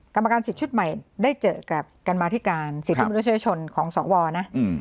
กรรมการสิทธิ์ชุดใหม่ได้เจอกับกรรมาธิการสิทธิมนุษยชนของสวนะ